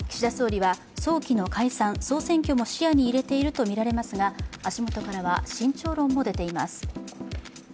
早期の解散総選挙も視野に入れているとみられますが足元からは慎重論も出ています。